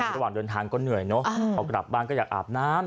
ระหว่างเดินทางก็เหนื่อยเนอะพอกลับบ้านก็อยากอาบน้ำ